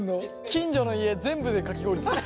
近所の家全部でかき氷作る。